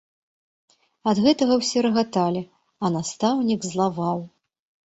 Ад гэтага ўсе рагаталі, а настаўнік злаваў.